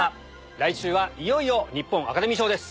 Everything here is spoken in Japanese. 来週はいよいよ日本アカデミー賞です。